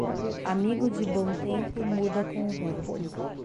Amigo de bom tempo muda com o vento.